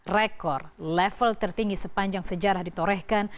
rekor level tertinggi sepanjang sejarah ditorehkan